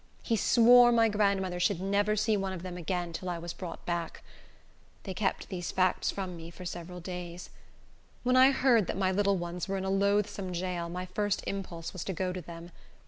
He swore my grandmother should never see one of them again till I was brought back. They kept these facts from me for several days. When I heard that my little ones were in a loathsome jail, my first impulse was to go to them.